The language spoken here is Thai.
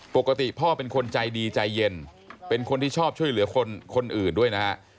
ปกติพ่อเป็นคนใจดีใจเย็นเป็นคนที่ชอบช่วยเหลือคนอื่นด้วยนะฮะ